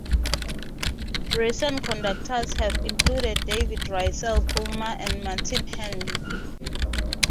Recent conductors have included David Russell Hulme and Martin Handley.